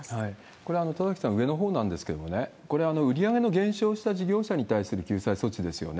これ、田崎さん、上のほうなんですけれども、これ、売り上げの減少した事業者に対する救済措置ですよね。